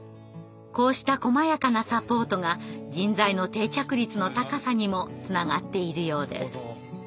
こうしたこまやかなサポートが人材の定着率の高さにもつながっているようです。